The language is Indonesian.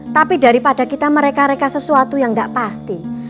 tapi daripada kita mereka reka sesuatu yang tidak pasti